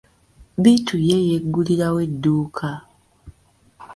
Bittu ye yeggulirawo edduuka.